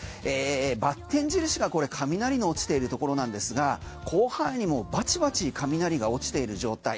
罰点印がこれ雷の落ちているところですが広範囲にバチバチ雷が落ちている状態。